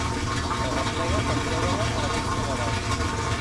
L'arreplega per treure-la a la pista de ball.